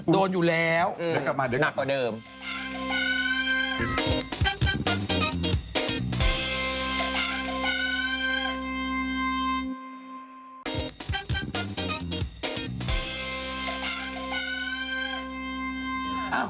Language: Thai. โดนอยู่แล้วนักกว่าเดิมดึกกลับมาดึกกลับมา